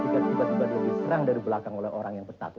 kita tiba tiba melihat diserang dari belakang orang yang bertatu